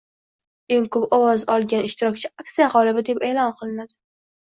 Eng koʻp ovoz olgan ishtirokchi aksiya gʻolibi deb eʼlon qilinadi.